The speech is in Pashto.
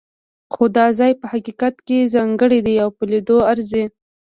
خو دا ځای په حقیقت کې ځانګړی دی او په لیدلو ارزي.